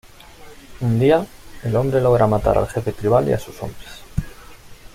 Un día, el hombre logra matar al jefe tribal y a sus hombres.